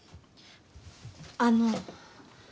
あの。